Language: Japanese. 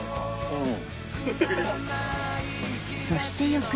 うん。